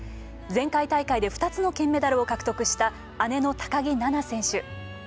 前回大会で２つの金メダルを獲得した姉の高木菜那選手。